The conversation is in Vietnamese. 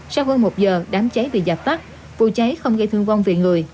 sau hơn một giờ đám cháy bị dập tắt vụ cháy không gây thương vong về người